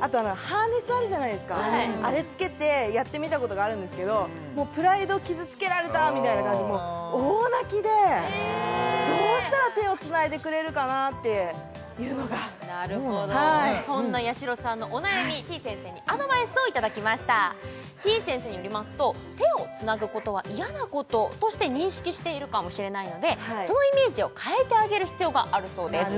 あとハーネスあるじゃないですかあれつけてやってみたことがあるんですけどもうプライド傷つけられたみたいな感じでもう大泣きでどうしたら手をつないでくれるかなっていうのがはいそんなやしろさんのお悩みてぃ先生にアドバイスをいただきましたてぃ先生によりますと手をつなぐことは嫌なこととして認識しているかもしれないのでそのイメージを変えてあげる必要があるそうです